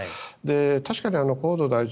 確かに、河野大臣